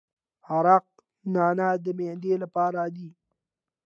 عرق نعنا د معدې لپاره دی.